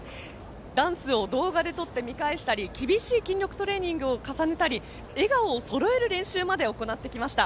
ダンスを動画で撮って見返したり厳しい筋力トレーニングを重ねたり笑顔をそろえる練習まで行ってきました。